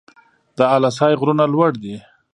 د اله سای غرونه لوړ دي